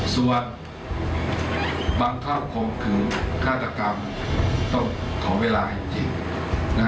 ส่วนบางครั้งคือข้าระกำต้องขอเวลาให้จริง